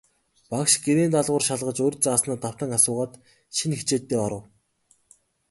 Багш гэрийн даалгавар шалгаж, урьд зааснаа давтан асуугаад, шинэ хичээлдээ оров.